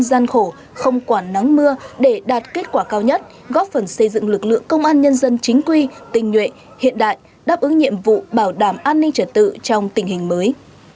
gian khổ không quản nắng mưa để đạt kết quả cao nhất góp phần xây dựng lực lượng công an nhân dân chính quy tình nhuệ hiện đại đáp ứng nhiệm vụ bảo đảm an ninh trật tự trong tình hình mới